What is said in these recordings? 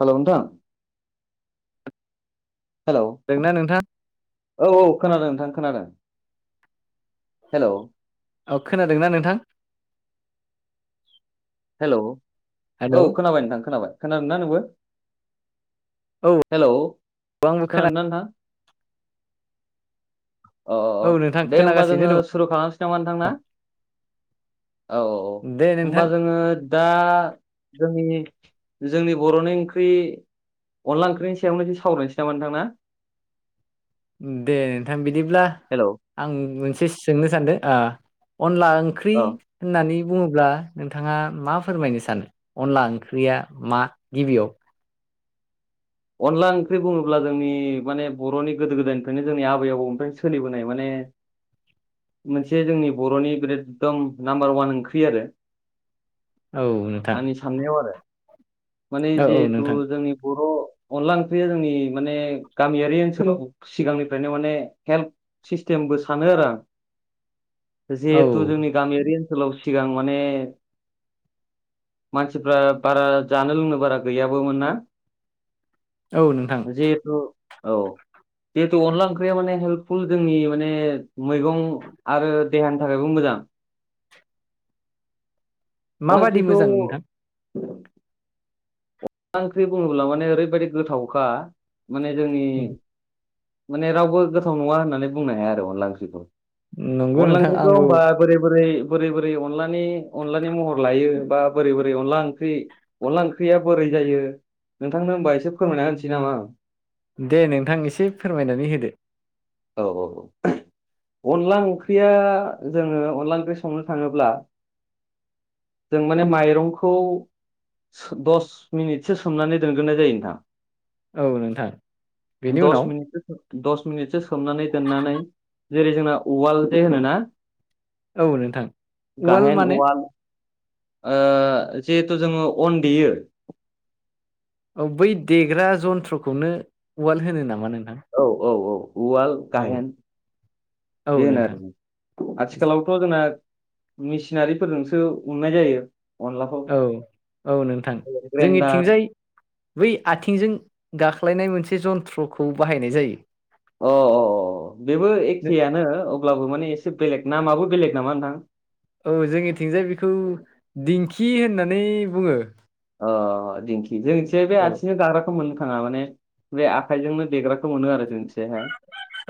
Hello नोंथां hello दोंना नोंथां औ औ खोनादों नोंथां खोनादों हेलोव औ खोनादोंना नोंथां हेलोव हेलौ औ खोनाबाय नोंथां खोनाबाय खोनादों ना नोंबो औ हेलोव आंबो खोना खोनादों नोंथां अ अ अ औ नोंथां दे होमबा खोनागासिनो जोंङो सुरु खालामसै नामा नोंथां ना औ औ औ दङ दे नोंथां होनबा दा जोंनि जोंनि बरनि ओंख्रि अनला ओंख्रिनि सायावनो जों सावरायनोसै नामा नोंथां ना दे नोंथां बिदिब्ला हेल' आं मोनसे सोंनो सानदों ओ अनला ओंख्रि औ होननानै बुङोब्ला नोंथाङा मा फोरमायनो सानो अनला ओंख्रिया मा गिबियाव अनला ओंख्रि बुङोब्ला जोंनि माने बरनि गोदो गोदायनिफ्रायनो जोंनि आबै आबौनिफ्रायनो सोलिबोनाय माने मोनसे जोंनि बर'नि ब्रेददम नाम्बार अवान ओंख्रि आरो औ नोंथां आंनि साननायाव आरो माने औ औ जिहेथु नोंथां जोंनि बर' अनला ओंख्रिया जोंनि माने गामियारि ओनसोलाव सिगांनिफ्रायनो माने हेल्थ सिस्टेम बो सानो आरो आं औ जिहेथु जोंनि गामियारि ओनो नसोलाव सिगां माने मानसिफ्रा बारा जानो लोंनो बारा गैयाबोमोन ना औ नोंथां जिहेथु औ जिहेथु अनला ओंख्रिया माने हेल्पफुल जोंनि माने मैगं आरो देहानि थाखायबो मोजां औ अनला माबादि ओंख्रिखौ मोजां नोंथां? अनला ओंख्रि बुङोब्ला माने ओरैबायदि गोथावखा माने जोंनि- माने रावबो गोथाव नङा होननानै बुंनो हाया आरो अनला ओंख्रिखौ नंगौ अनला नोंथां ओंख्रिखौ आंबो होनबा बोरै बोरै बोरै बोरै अनलानि अनलानि महर लायो बा बोरै बोरै अनला ओंख्रि अनला ओंख्रिया बोरै- जायो नोंथांनो होनबा एसे फोरमायना होनोसै नामा आं? दे नोंथां एसे फोरमायनानै होदो। औ औ औ अनला ओंख्रिया जोङो अनला ओंख्रि संनो थाङोब्ला- जों माने माइरंखौ सो दस मिनिटसो सोमनानै दोनग्रोनाय जायो नोंथां। औ नोंथां बेनि दस उनाव? मिनिटसो दस मिनिटसो सोमनानै दोननानै जेरै जोंना उवालजे होनोना औ नोंथां उवाल गाहेन माने उवाल ओ जिहेथु जोङो अन देयो औ बै देग्रा जन्थ्रखौनो उवाल होनो नामा नों औ औ औ उवाल गाहेन औ बे होनो नोंथां आरो आथिखालावथ' जोंना मेसिनारिफोरजोंसो उननाय जायो अनलाखौ औ औ नोंथां ग्रेन्डार जोंनिथिंजाय बै आथिंजों गाख गाख्लायनाय मोनसे जन्थ्रखौ बाहायनाय जायो अ अ अ बेबो एखेयानो अब्लाबो माने एसे से बेलेग नामाबो बेलेग नामा नोंथां औ जोंनिथिंजाय बिखौ दिंखि होननानै बुङो अ दिंखि जोंसे बे औ आथिंजों गाग्राखौ मोन थाङा माने बे आखाइजोंनो देग्राखौ मोनो आरो जोंनिथिं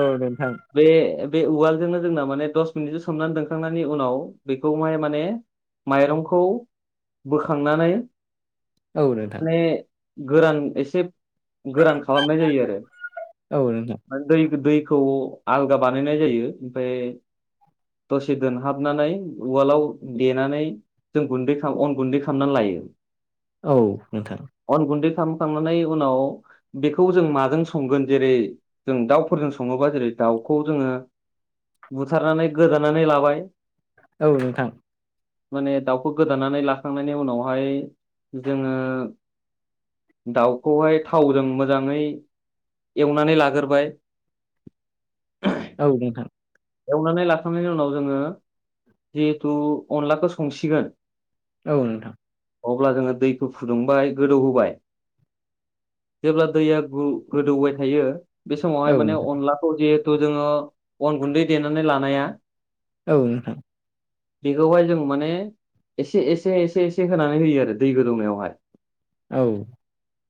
औ नोंथां बे बे उवालजोंनो जोंना माने दस मिनिटसो सोमनानै दोनखांनायनि उनाव बेखौहाय माने माइरंखौ बोखांनानै औ नोंथां माने गोरान एसे गोरान खालामनाय जायो औ नोंथां आरो दै दै खौ आलागा बानायनाय जायो ओमफ्राय दसे दोनहाबनानै उवालाव देनानै जों गुन्दै खालाम अन गुन्दै खालामना लायो। औ नोंथां अन गुन्दै खालामखांनानै उनाव बेखौ जों माजों संगोन जेरै जों दाउफोरजों सङोबा जेरै दाउखौ जोङो बुथारनानै गोदानानै लाबाय औ नोंथां माने दाउखौ गोदानानै लाखांनायनि उनावहाय जोङो दाउखौहाय थावजों मोजाङै एवनानै लाग्रोबाय। [unintelligible] औ नोंथां। एवनानै लाखांनायनि उनाव जोङो जिहेथु अनलाखौ संसिगोन। औ नोंथां। अब्ला जोङो दैखौ फुदुंबाय गोदौहोबाय। जेब्ला दैया गु गोदौबाय थायो। बे औ समावहाय माने अनलाखौ जिहेथु जोङो अन गुन्दै देनानै लानाया। औ नोंथां। बेखौहाय जों माने एसे एसे एसे एसे होनानै होयो आरो दै गोदौनायावहाय। औ।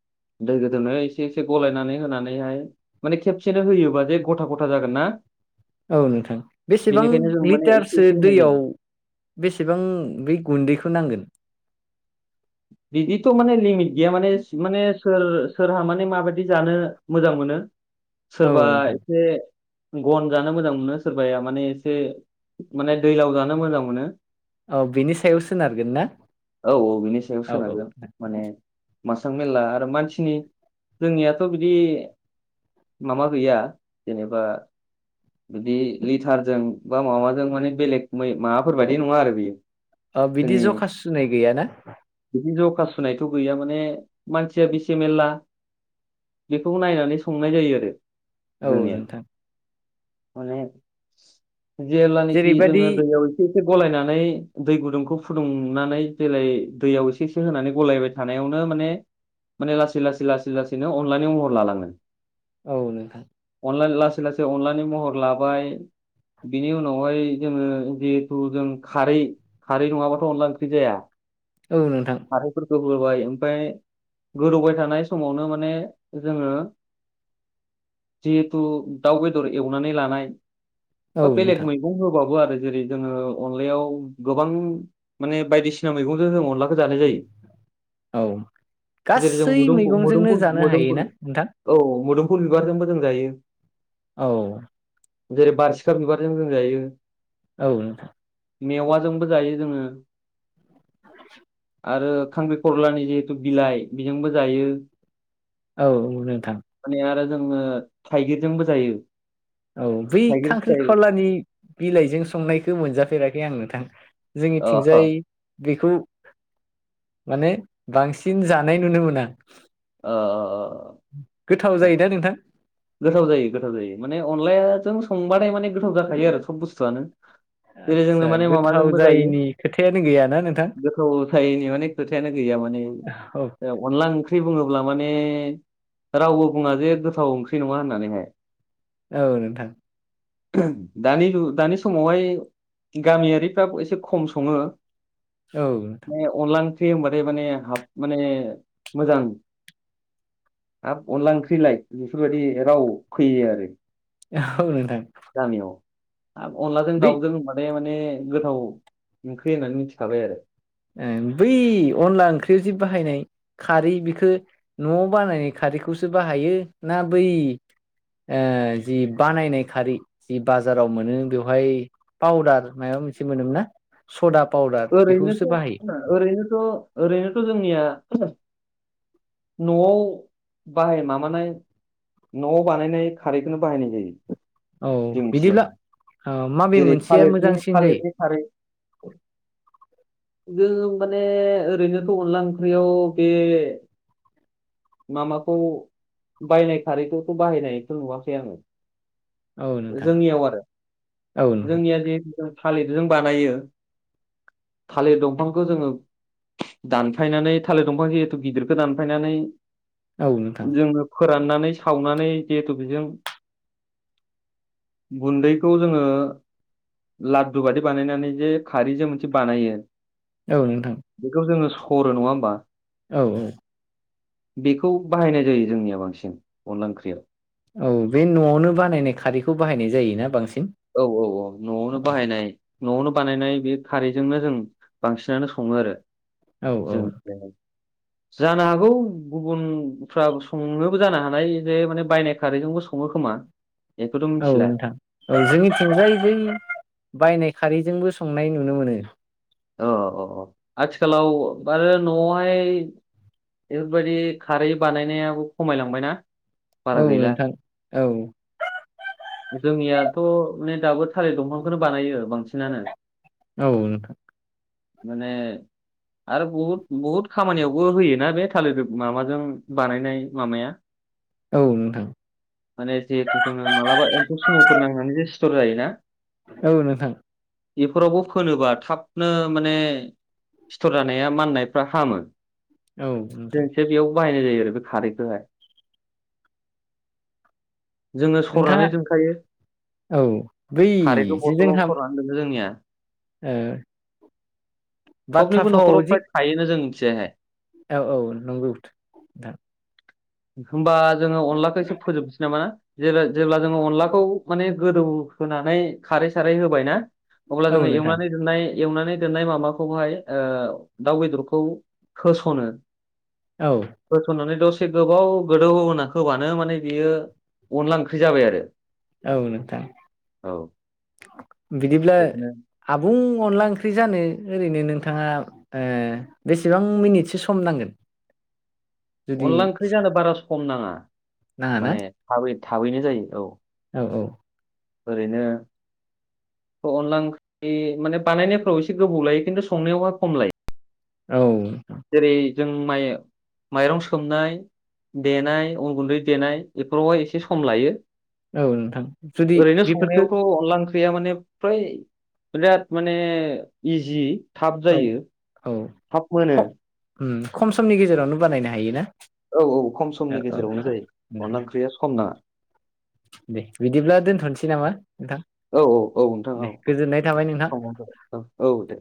[inaudible] दै गोदौनायाव एसे एसे गलायनानै होनानैहाय माने खेबसेनो होयोबा जे गथा गथा जागोन ना? औ नोंथां बेसेबां बेनिखायनो जों माने एसे लिटारसो एसे होनाय जायो दैयाव। बेसेबां बेै गुन्दैखौ नांगोन। बिदिथ' माने लिमिट गैया माने माने सोर सोरहा माने माबायदि जानो मोजां मोन मोनो औ सोरबा नोंथां एसे। गन जानो मोजां मोनो सोरबाया माने एसे माने दैलाव जानो मोजां मोनो। औ बिनि सायाव सोनारगोन ना? औ बिनि सायाव औ औ सोनारगोन माने। मासां मेलला आरो मानसिनि जोंनियाथ' बिदि माबा गैया जेनेबा। दि लिटारजों बा माबाजों माने बेलेग मै माबाफोर बायदि नङा आरो बेयो। ओ बिदि जखा सुनाय गैयाना? बि जखा सुनायथ' गैया माने मानसिया बेसे मेरला। बेखौ नायनानै संनाय जायो आरो। औ जोंनिया नोंथां। माने जेलानाखि जेरैबादि जोङो दैयाव एसे एसे गलायनान नै दै गुदुंखौ फुदुंनानै देलाय। दैयाव एसे एसे होनानै गलायबाय थानायावनो माने। माने लासै लासै लासै लासैनो अनलानाय महर लालाङो। औ नोंथां। अनला लासै लासै अनलानि महर लाबाय। बिनि उनावहाय जोङो जिहेथु जों खारै खारै नङाबाथ' अनला ओंख्रि जाया। औ नोंथां खारै फोरखौ होबाय। ओमफाय गोदौबाय थानाय समावनो माने जोङो। जिहेथु दाउ बेदर एवनानै लानाय बा औ बेलेग नोंथां मैगं होबाबो आर‌ जेरै जोङो अनलायाव गोबां माने बायदिसिना मैगं जो जों अनलाखौ जानाय जायो। औ जेरै जों गासै मुदुम मोदोम मैगंजोंनो जानो मुदुफुर हायोना नोंथां औ मुद फुल बिबारजोंबो जों जायो। औ। जेरै बारसिखा बिबारजों जों जायो। औ नोथां। मेवाजोंबो जायो जोङो। [inaudible] आरो खांख्रिखरलानि जिहेथु बिलाइ बेजोंबो जायो। औ औ नोंथां। माने आरो जोङो थाइगिरजोंबो जायो। औ बै थाइगिर फिथाइ खांख्रिखलानि बिलाइजों संनायखौ मोनजाफेराखै आं नोंथां। अ अ जोंनिथिंजाय। बेखौ माने बांसिन जानाय नुनो मोना ओ गोथाव जायोना नोंथां गोथाव जायो गोथाव जायो माने अनलाया जों संबाथाय माने गोथाव जाखायो आरो सब बुस्थुआनो जेरै आदसा जोङो माने गोथाव माबाजोंबो जायो जायैनि खोथायानो गैयाना नोंथां गोथौ थायैनि माने खोथायानो गैयामोन औ [unintelligible] अनला ओंख्रि बुङोब्ला माने रावबो बुङा जे गोथाव ओंख्रि नङा होननानैहाय औ नोंथां दानि दानि समावहाय गामियारिफ्राब एसे खम सङो औ नोंथां ने अनला ओं ख्रि होनबाथाय माने हाब माने मोजां हाब अनला ओंख्रिलाय बेफोरबायदि राव फैयो आरो औ नोंथां गामियाव हाब अनलाजों बै दाउजों होमबाथाय माने गोथाव ओंख्रि होननानै मिथिखाबाय आरो ओम बै अनला ओंख्रियाव जि बाहायनाय खारै बेखौ न'आव बानायनाय खार खारैखौसो बाहायो ना बै ओ जि बानायनाय खारै जि बाजाराव मोनो बेवहाय पावदार मायबा मोनसे मोनोमोन ना सदा पावदार बेखौ ओरैनोथ' ओरैनोथ' ओरैनोथ' जोंनिया न'आव बाहाय माबानाय न'आव बानायनाय खारैखौनो बाहायनाय जायो औ जोंथि जाय बिदिब्ला ना औ माबे जेरै मोनसेया थालिरनि मोजांसिन जायो थालिरनि खारै [inaudible] जों माने ओरैनोथ' अनला ओंख्रियाव बे मामाखौ बायनाय खारैफोरखौ बाहायनायखौ नुवाखै आङो औ नोंथां जोंनियाव आरो औ नोंथां जोंनिया जिहेथु थालिरजों बानायो थालिर दंफांखौ जोङो दानफायनानै थालिर दंफां जिहेथु गिदिरखौ दानफायनानै औ नोंथां जोङो फोराननानै सावनानै जिहेथु बेजों गुन्दैखौ जोङो लाददु बादि बानायनानै जे खारैजों मोनसे बानायो औ नोंथां बेखौ जोङो सरो नङा होमबा औ औ बेखौ बाहायनाय जायो जोंनिया बांसिन अनला ओंख्रियाव औ बे न'आवनो बानायनाय खारैखौ बाहायनाय जायोना बांसिन औ औ औ न'आवनो बाहायनाय न'आवनो बानायनाय बे खारैजोंनो जों बांसिनानो सङो आरो औ औ जों [inaudible] जानो हागौ गुबुनफ्रा संनोबो जानो हानाय जे माने बायनाय खारैजोंबो सङो खोमा मा औ नोंथां औ जोंनि थिंजाय बै बायनाय खारैजोंबो संनाय नुनो मोनो अ अ आथिखालाव बा न'आवहाय बेफोरबायदि खारै बानायनायाबो खमायलांबाय ना औ नोंथां औ जोंनियाथ' माने दाबो थालिर दंफांखौनो बानायो बांसिनानो औ नोंथां माने आरो बहुद बहुद खामानियावबो होयोना बे थालिर माबाजों बानायनाय मामाया औ नोंथां माने जिहेथु जोङो मालाबा एम्फौ सुमुफोर नांनानै जे सिथर जायो ना? औ नोंथां बेफोरावबो फोनोबा थाबनो माने सिथर जानाया माननायफ्रा हामो औ नोंथां जोंसो बेयाव बाहायनाय जायो आरो बे खारैखौहाय जोङो सरनानै नोंथाङा दोनखायो [inaudible] औ बै खारैखौ जे जोंहा बथलाव सरनानै दोनो जोंनिया ओ बाथ्रा सबनिबो फावाव न'खराव जि फ्राय थायोना जों मिथिनाय हाय औ औ नंगौ थां [inaudible] होमबा जोङो अनलाखौ एसे फोजोबनोसै नामा जे जेब्ला जोङो अनलाखौ माने गोदौ हो नानै खारै सारै होबायना अब्ला औ जोङो नोंथां एवनानै दोननाय एवनानै दोननाय माबाखौहाय ओ दाउ बेदरखौ होसनो औ [inaudible] होसननानै दसे गोबाव गोदौ होनना होबानो माने बियो अनला ओंख्रि जाबाय आरो औ नोंथां औ बिदिब्ला बेखौनो आबुं अनला ओंख्रि जानो ओरैनो नोंथाङा बेसेबां मिनिटसो सम नांगोन [inaudible] जुदि अनला ओंख्रि जानो बारा सम नाङा नाङा ना माने थाब थाबैनो जायो औ औ ओरैनो अनला ओंख्रि माने बानायनायफ्राव एसे गोबाव लायो खिन्थु संनायावहा खम लायो औ जेरै जों माइ माइरं सोमनाय देनाय उन गुन्दै देनाय बेफोरावहाय एसे सम लायो औ नोंथां जुदि [inaudible] ओरैनो बेफोरखो संनायावथ' अनला ओंख्रि ओंख्रिया माने फ्राय बिराद माने इजि थाब औ जायो। औ थाब ख मोनो उम खम समनि गेजेरावनो बानायनो हायो ना? औ औ खम समनि गेजेरावनो जायो उम अनला ओंख्रिया सम नाङा दे बिदिब्ला दोनथ'नोसै नामा नोंथां? औ औ औ नोंथाङा दे औ गोजोननाय थाबाय नोंथां [unintelligible] औ औ दे